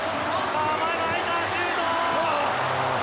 前が空いた、シュート。